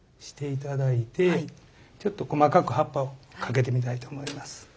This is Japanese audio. して頂いてちょっと細かく葉っぱをかけてみたいと思います。